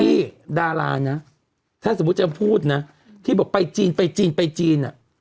ดารานะถ้าสมมุติจะพูดนะที่บอกไปจีนไปจีนไปจีนอ่ะ